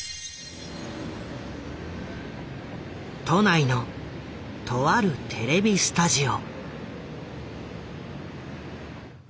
都内のとあるテレビスタジオ。